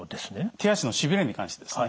手足のしびれに関してですね。